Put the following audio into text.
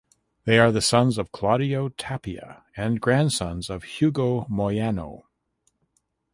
They are the sons of Claudio Tapia and grandsons of Hugo Moyano.